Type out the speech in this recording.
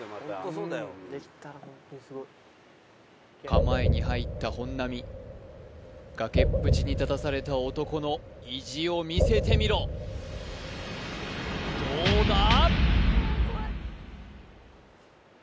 構えに入った本並崖っぷちに立たされた男の意地を見せてみろどうだ？